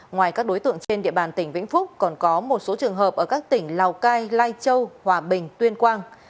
ngoài các đối tượng trên địa bàn tỉnh vĩnh phúc còn có một số trường hợp ở các tỉnh lào cai lai châu hòa bình tuyên quang